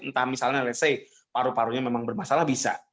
entah misalnya let's say paru parunya memang bermasalah bisa